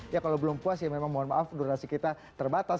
ya kalau belum puas ya memang mohon maaf durasi kita terbatas